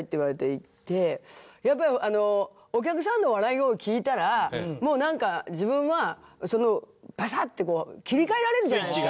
やっぱりあのお客さんの笑い声を聞いたらもうなんか自分はパシャッてこう切り替えられるじゃないですか。